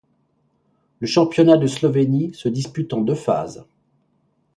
Le championnat de Slovénie se dispute en deux phases.